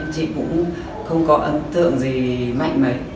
chị cũng không có ấn tượng gì mạnh mẽ